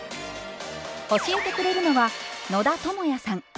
教えてくれるのは野田智也さん。